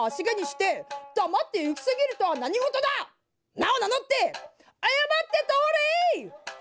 名を名乗って謝って通れ！」。